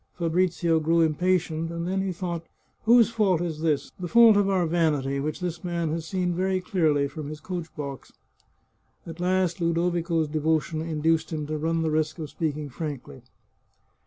Fabrizio grew impatient, and then he thought :" Whose fault is this ? The fault of our vanity, which this man has seen very clearly from his coach box ?" At last Ludovico's devotion induced him to run the risk of speaking frankly.